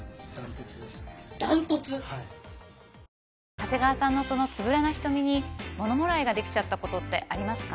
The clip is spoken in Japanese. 長谷川さんのそのつぶらな瞳にものもらいができちゃったことってありますか？